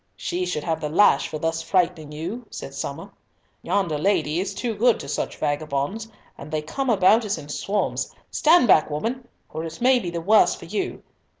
"She should have the lash for thus frightening you," said Somer. "Yonder lady is too good to such vagabonds, and they come about us in swarms. Stand back, woman, or it may be the worse for you.